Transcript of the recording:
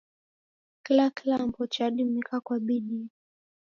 Kila kilambo chadimika kwa bidii